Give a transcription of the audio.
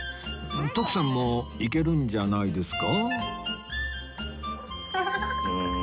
徳さんもいけるんじゃないですか？